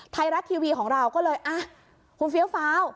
ไทยรัฐทีวีของเราก็เลยอ่ะคุณเฟี้ยวฟ้าว